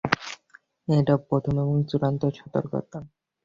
এটা প্রথম এবং চূড়ান্ত সতর্কতা।